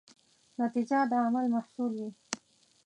نتیجه د عمل محصول وي.